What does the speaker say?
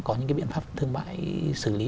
có những cái biện pháp thương mại xử lý